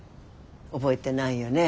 覚えてないよね？